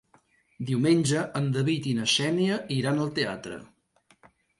Diumenge en David i na Xènia iran al teatre.